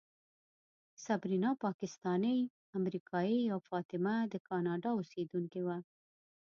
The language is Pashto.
صبرینا پاکستانۍ امریکایۍ او فاطمه د کاناډا اوسېدونکې وه.